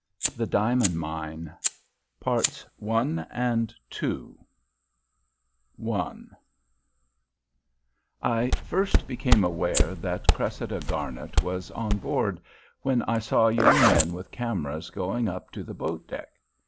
The Diamond Mine I I first became aware that Cressida Garnet was on board when I saw young men with cameras going up to the boat deck.